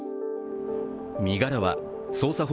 身柄は捜査補運